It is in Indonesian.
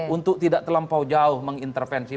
untuk tidak terlampau jauh mengintervensi